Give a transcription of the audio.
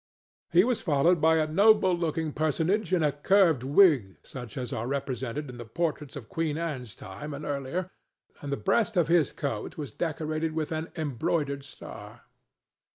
He was followed by a noble looking personage in a curled wig such as are represented in the portraits of Queen Anne's time and earlier, and the breast of his coat was decorated with an embroidered star.